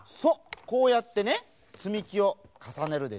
こうやってねつみきをかさねるでしょ？